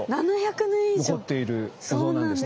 残っているお像なんですね。